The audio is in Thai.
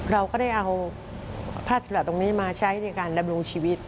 เราก็ได้เอาผ้าสัตว์แบบตรงนี้มาใช้ในการดำเนินชีวิต